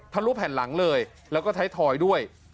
ลุแผ่นหลังเลยแล้วก็ไทยทอยด้วย